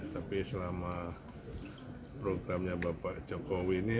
tapi selama programnya bapak jokowi ini